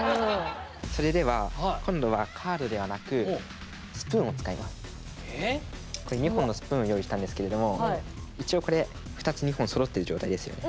それでは今度はここに２本のスプーンを用意したんですけれども一応これ２つ２本そろってる状態ですよね。